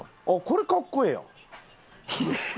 これかっこええやん。